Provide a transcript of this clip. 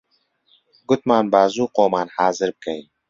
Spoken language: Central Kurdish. گوتمان با زوو خۆمان حازر بکەین